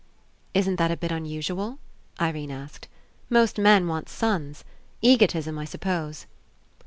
"Isn't that a bit unusual?" Irene asked. "Most men want sons. Egotism, I suppose."